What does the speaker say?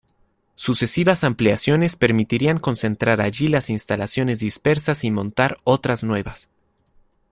Sucesivas ampliaciones permitirían concentrar allí las instalaciones dispersas y montar otras nuevas.